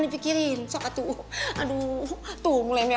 bikin ampun ampun